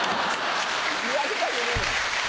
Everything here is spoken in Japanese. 言われたくねえよ。